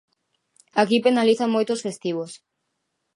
Aquí penalizan moito os festivos.